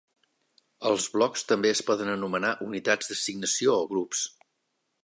Els blocs també es poden anomenar unitats d'assignació o grups.